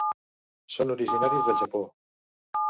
Són originaris del Japó.